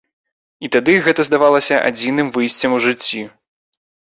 І тады гэта здавалася адзіным выйсцем у жыцці.